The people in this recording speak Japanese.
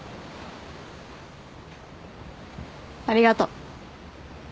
ありがとう。